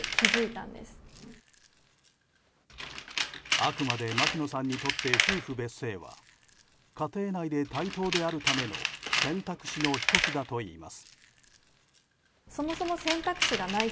あくまで牧野さんにとって夫婦別姓は家庭内で対等であるための選択肢の１つだといいます。